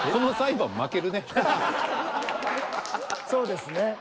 そうですね。